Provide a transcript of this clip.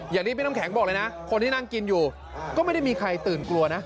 อย่างที่พี่น้ำแข็งบอกเลยนะคนที่นั่งกินอยู่ก็ไม่ได้มีใครตื่นกลัวนะ